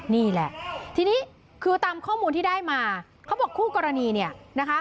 นี่แหละทีนี้คือตามข้อมูลที่ได้มาเขาบอกคู่กรณีเนี่ยนะคะ